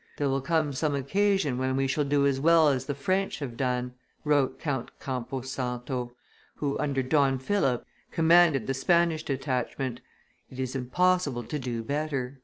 "There will come some occasion when we shall do as well as the French have done," wrote Count Campo Santo, who, under Don Philip, commanded the Spanish detachment; "it is impossible to do better."